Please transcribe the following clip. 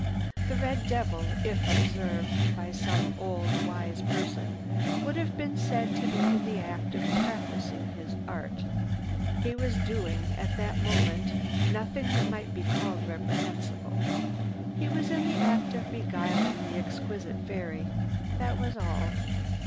The red devil, if observed by some old, wise person, would have been said to be in the act of practicing his art. He was doing, at that moment, nothing that might be called reprehensible. He was in the act of beguiling the exquisite fairy. That was all.